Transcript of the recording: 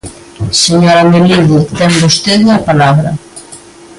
Señora Melide, ten vostede a palabra.